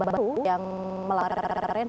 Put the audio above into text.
baru yang melarang